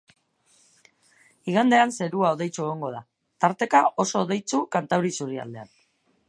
Igandean, zerua hodeitsu egongo da, tarteka oso hodeitsu kantauri isurialdean.